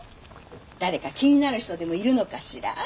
誰か気になる人でもいるのかしら？